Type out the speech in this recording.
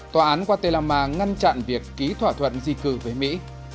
tòa án guatemala ngăn chặn việc ký thỏa thuận di cử với mỹ